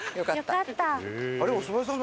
よかった。